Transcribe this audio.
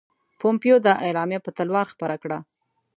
پومپیو دا اعلامیه په تلوار خپره کړه.